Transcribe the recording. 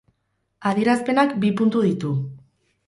Adierazpenak bi puntu ditu.